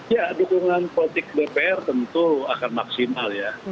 ya dukungan politik dpr tentu akan maksimal ya